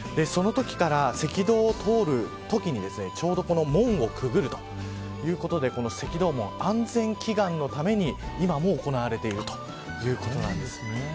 そのときから赤道を通るときにちょうどこの門をくぐるということで赤道門、安全祈願のために今も行われているということなんです。